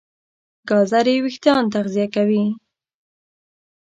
ګازرې وېښتيان تغذیه کوي.